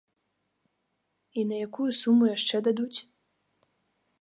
І на якую суму яшчэ дадуць?